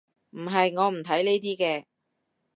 唔係，我唔睇呢啲嘅